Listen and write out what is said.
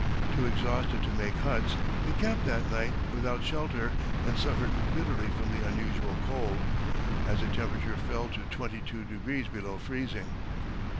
Too exhausted to make huts, they camped that night without shelter and suffered bitterly from the unusual cold, as the temperature fell to twenty two degrees below freezing.